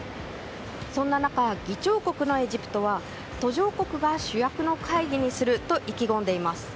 そんな中、議長国のエジプトは途上国が主役の会議にすると意気込んでいます。